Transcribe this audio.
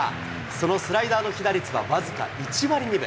そのスライダーの被打率は僅か１割２分。